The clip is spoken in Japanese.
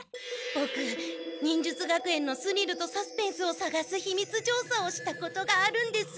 ボク忍術学園のスリルとサスペンスをさがすひみつ調査をしたことがあるんです。